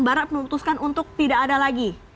barat memutuskan untuk tidak ada lagi